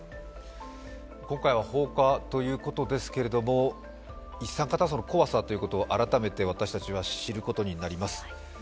今回は放火ということですけど、一酸化炭素の怖さを改めて私たちは知ることになります。